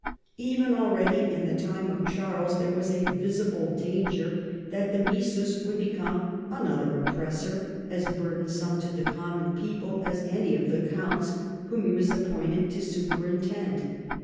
Even al RESULTS. 325 ready in the lifetime of Charles there was a visible danger that the missus might become another op pressor as burdensome to the common people as any of the counts whom he was appointetl to superin tend.